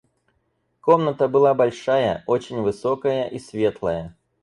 Комната была большая, очень высокая и светлая.